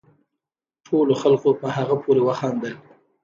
ټولو خلقو په هغه پورې وخاندل